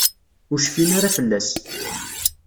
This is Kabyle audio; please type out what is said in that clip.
Ur cfin ara fell-as.